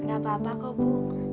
kenapa apa kok bu